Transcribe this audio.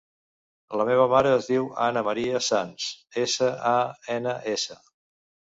La meva mare es diu Ana maria Sans: essa, a, ena, essa.